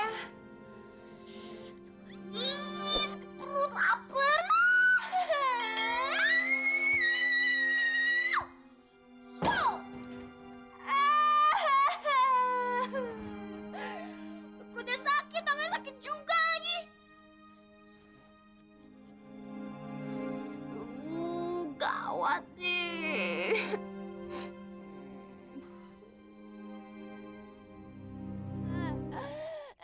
eh lupa aku mau ke rumah